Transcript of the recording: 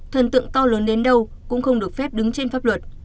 thần tượng to lớn đến đâu cũng không được phép đứng trên pháp luật